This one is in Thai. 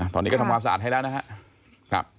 ตอนนี้ก็ทำความสะอาดให้แล้วนะครับ